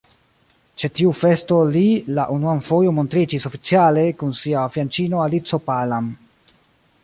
Ĉe tiu festo li la unuan fojon montriĝis oficiale kun sia fianĉino Alico Palam.